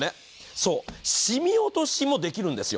そう、染み落としもできるんですよ。